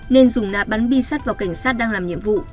nên dùng ná bắn bi sát vào cảnh sát đang làm nhiệm vụ